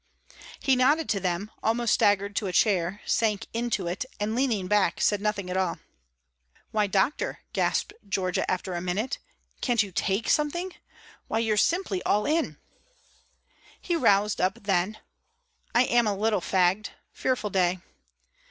He nodded to them, almost staggered to a chair, sank into it, and leaning back, said nothing at all. "Why, doctor," gasped Georgia, after a minute, "can't you take something? Why you're simply all in!" He roused up then. "I am a little fagged. Fearful day!"